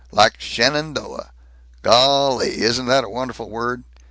Like Shenandoah. Gol lee! Isn't that a wonderful word?